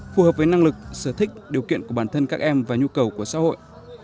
phù hợp với năng lực sở thích điều kiện của bản thân các em và nhu cầu của xã hội